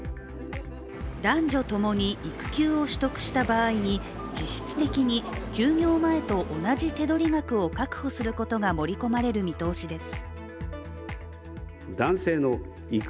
男女ともに育休を取得した場合に、実質的に休業前と同じ手取り額を確保することが盛り込まれる見通しです。